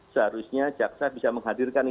seharusnya jaksa bisa mengatakan